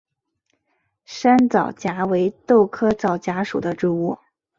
山皂荚为豆科皂荚属的植物。